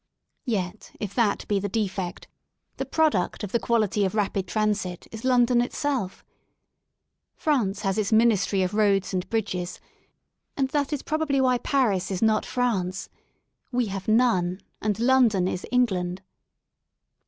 Yet if that be the defect, the product of the quality of rapid transit is London itself. France has its Ministry of Roads and Bridges, and that is probably why Paris 46 ROADS INTO LONDON is not France: we have none, and London is England.